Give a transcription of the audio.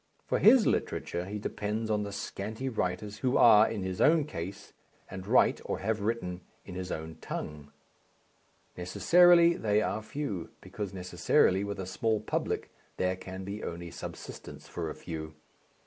For his literature he depends on the scanty writers who are in his own case and write, or have written, in his own tongue. Necessarily they are few, because necessarily with a small public there can be only subsistence for a few.